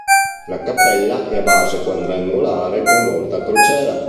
La cappella è a base quadrangolare con volta a crociera.